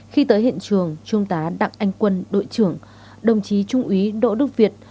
khi tới hiện trường trung tá đặng anh quân đội trưởng đồng chí trung úy đỗ đức việt